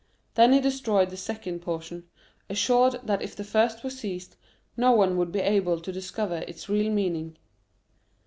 Then he destroyed the second portion, assured that if the first were seized, no one would be able to discover its real meaning.